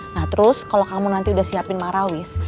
nah terus kalau kamu nanti udah siapin marawis